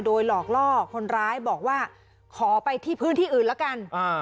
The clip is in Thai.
โดยหลอกล่อคนร้ายบอกว่าขอไปที่พื้นที่อื่นแล้วกัน